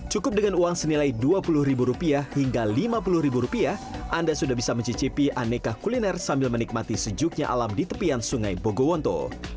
cukup dengan uang senilai dua puluh ribu rupiah hingga lima puluh rupiah anda sudah bisa mencicipi aneka kuliner sambil menikmati sejuknya alam di tepian sungai bogowonto